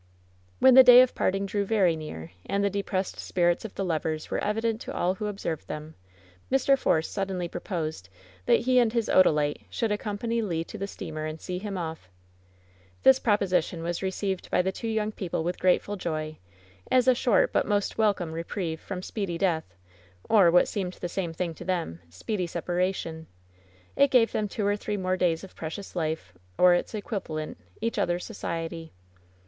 When the day of parting drew very near, and the de pressed spirits of the lovers were evident to all who ob served them, Mr. Force suddenly proposed that he and his Odalite should accompany Le to the steamer and see him off. This proposition was received by the two young people I 8 WHEN SHADOWS DIE with grateful joy, as a short but most welcome reprieve from speedy death, or — ^what seemed the same thing to them — speedy separation. It gave them two or three more days of precious life, or its equivalent — each other's society.